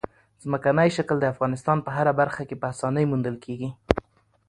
ځمکنی شکل د افغانستان په هره برخه کې په اسانۍ موندل کېږي.